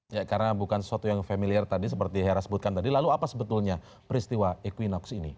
ya karena bukan sesuatu yang familiar tadi seperti hera sebutkan tadi lalu apa sebetulnya peristiwa equinox ini